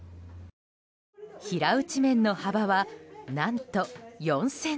平打ち麺の幅は何と４ｃｍ。